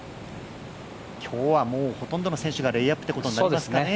今日はもうほとんどの選手がレイアップってことになりますね。